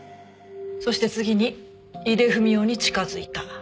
そして次に井出文雄に近づいた。